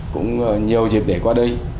cũng nhiều dịp để qua đây